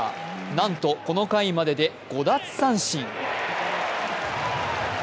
なんとこの回までで５奪三振。